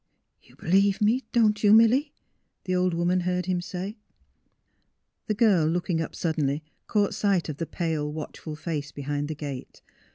'^ You believe me, don't you, Milly? " the old woman heard him say. The girl looking up suddenly caught sight of the pale, watchful face behind the gate.